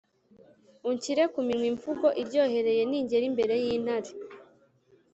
unshyire ku minwa imvugo iryohereye ningera imbere y’intare,